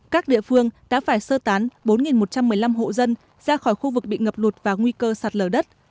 các địa phương đã phải sơ tán bốn một trăm một mươi năm hộ dân ra khỏi khu vực bị ngập lụt và nguy cơ sạt lở đất